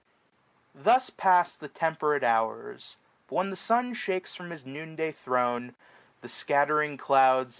439 Thus pass the temperate hours : but when the sun Shakes from his noon day throne the scattering clouds.